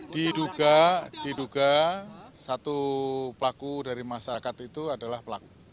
diduga diduga satu pelaku dari masyarakat itu adalah pelaku